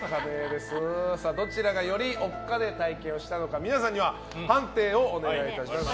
どちらがよりおっカネ体験をしたのか皆さんには判定をお願いします。